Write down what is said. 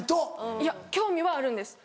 いや興味はあるんです。